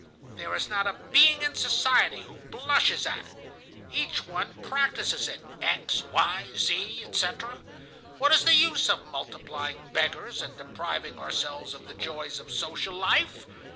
There is not a being in society who blushes at it. Each one practices it,—X, Y, Z, etc. What is the use of multiplying beggars, and depriving ourselves of the joys of social life?